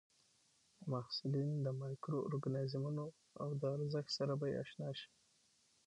محصلین د مایکرو ارګانیزمونو او د ارزښت سره به اشنا شي.